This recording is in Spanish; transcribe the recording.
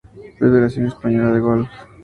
Federación Española de Golf.